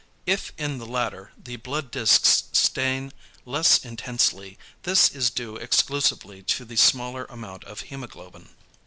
If in the latter, the blood discs stain less intensely, this is due exclusively to the smaller amount of hæmoglobin.